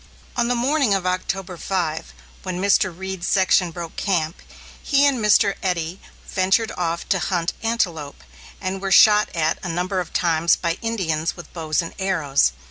On the morning of October 5, when Mr. Reed's section broke camp, he and Mr. Eddy ventured off to hunt antelope, and were shot at a number of times by Indians with bows and arrows.